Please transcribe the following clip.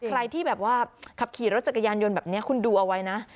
ใครที่แบบว่าขับขี่รถจักรยานยนต์แบบนี้คุณดูเอาไว้นะ